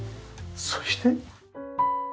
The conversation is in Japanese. そして。